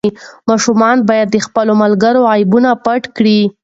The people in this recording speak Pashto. ماشومان باید د خپلو ملګرو عیبونه پټ کړي.